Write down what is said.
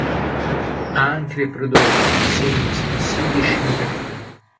Ha anche prodotto disegni espressivi e scenografie.